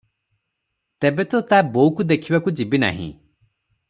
ତେବେ ତ ତା ବୋଉକୁ ଦେଖିବାକୁ ଯିବି ନାହିଁ ।